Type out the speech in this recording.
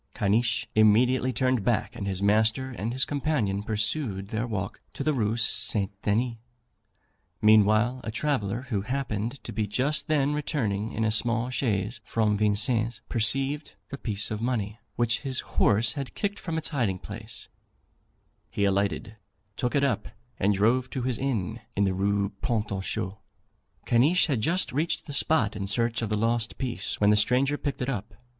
Caniche immediately turned back, and his master and his companion pursued their walk to the Rue St. Denis. Meanwhile a traveller, who happened to be just then returning in a small chaise from Vincennes, perceived the piece of money, which his horse had kicked from its hiding place; he alighted, took it up, and drove to his inn, in the Rue Pont aux Choux. Caniche had just reached the spot in search of the lost piece when the stranger picked it up.